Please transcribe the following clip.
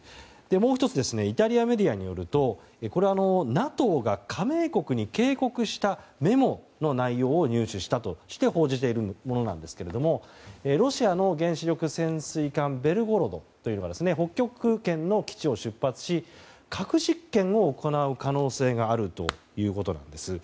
もう１つイタリアメディアによるとこれは、ＮＡＴＯが加盟国に警告したメモの内容を入手したとして報じているものなんですけどもロシアの原子力潜水艦「ベルゴロド」というのが北極圏の基地を出発し核実験の行う可能性があるということなんです。